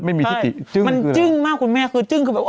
มันจึงมากคุณแม่